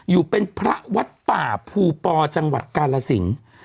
อยู่เป็นพระวัดป่าภูปอจังหวัดกาลสิน